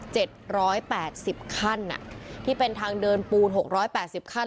เจ็ดร้อยแปดสิบขั้นอ่ะที่เป็นทางเดินปูนหกร้อยแปดสิบขั้น